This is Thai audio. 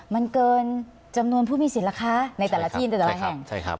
มันเกินจำนวนผู้มีเสียราคาในแต่ละที่แต่ละแห่งใช่ครับใช่ครับ